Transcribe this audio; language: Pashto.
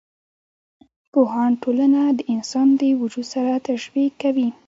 پوهان ټولنه د انسان د وجود سره تشبي کوي.